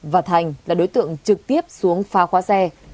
và thành là đối tượng trực tiếp xuống phá khóa xe